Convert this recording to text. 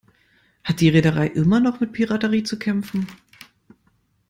Hat die Reederei immer noch mit Piraterie zu kämpfen?